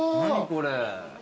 これ。